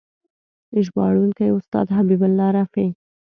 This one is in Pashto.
ژباړونکی: استاد حبیب الله رفیع